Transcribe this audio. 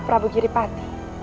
prabu kiri pati